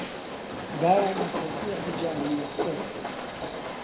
دایان ئەپۆشێ حیجابی وەحشەت